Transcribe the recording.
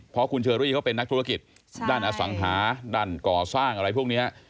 เพราะคุณเชอรี่เขาเป็นนักธุรกิจด้านอสังหาด้านก่อสร้างอะไรพวกนี้